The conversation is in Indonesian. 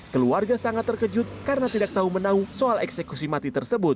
keluarga sangat terkejut karena tidak tahu menahu soal eksekusi mati tersebut